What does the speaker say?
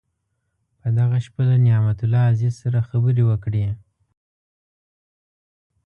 په دغه شپه له نعمت الله عزیز سره خبرې وکړې.